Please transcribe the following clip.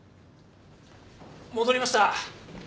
・戻りました。